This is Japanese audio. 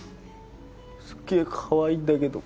すっげえかわいいんだけど